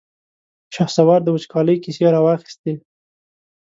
شهسوار د وچکالۍ کيسې را واخيستې.